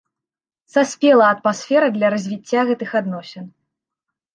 Саспела атмасфера для развіцця гэтых адносін.